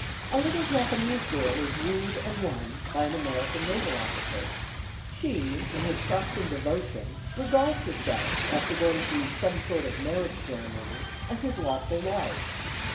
A little Japanese girl is wooed and won by an American naval officer. She, in her trust and devotion regards herself, after going through some sort of marriage ceremony, as his lawful wife.